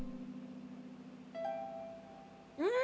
うん！